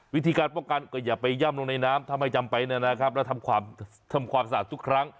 วิธีการป้องกันก็อย่าไปย่ำลงในน้ำถ้าไม่จำเป็นนะครับแล้วทำความสะอาดทุกครั้ง